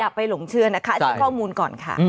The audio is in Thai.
อย่าไปหลงเชื้อนะคะช่วยข้อมูลก่อนค่ะ